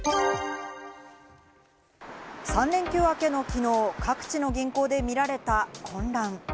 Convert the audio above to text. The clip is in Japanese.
３連休明けのきのう、各地の銀行で見られた混乱。